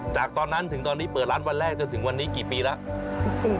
จากตอนนั้นถึงตอนนี้เปิดร้านวันแรกจนถึงวันนี้กี่ปีแล้ว